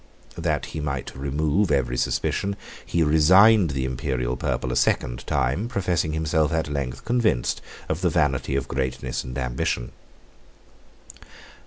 That he might remove every suspicion, he resigned the Imperial purple a second time, 34 professing himself at length convinced of the vanity of greatness and ambition.